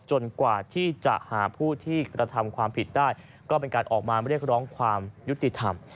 กว่าที่จะหาผู้ที่กระทำความผิดได้ก็เป็นการออกมาเรียกร้องความยุติธรรม